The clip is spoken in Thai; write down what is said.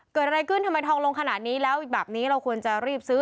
เกิดอะไรขึ้นทำไมทองลงขนาดนี้แล้วแบบนี้เราควรจะรีบซื้อ